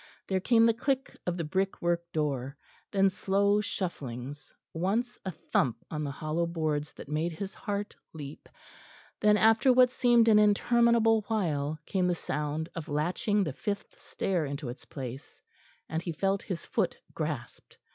There came the click of the brickwork door; then slow shufflings; once a thump on the hollow boards that made his heart leap; then after what seemed an interminable while, came the sound of latching the fifth stair into its place; and he felt his foot grasped.